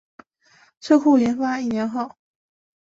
车库研发一年后